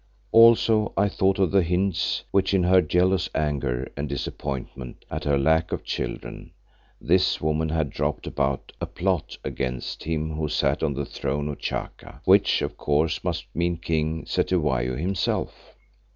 Also I thought of the hints which in her jealous anger and disappointment at her lack of children, this woman had dropped about a plot against him who sat on the throne of Chaka, which of course must mean King Cetywayo himself.